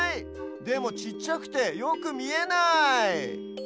でもちっちゃくてよくみえない！